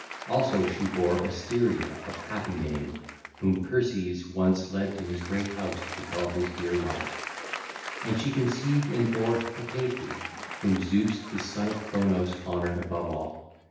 Also she bare Asteria of happy name, whom Perses once led to his great house to be called his dear wife. And she conceived and bare Hecate whom Zeus the son of Cronos honoured above all.